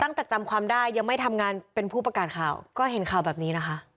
จำความได้ยังไม่ทำงานเป็นผู้ประกาศข่าวก็เห็นข่าวแบบนี้นะคะ